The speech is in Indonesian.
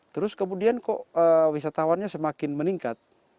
terus kemudian kok wisatawannya semakin meningkat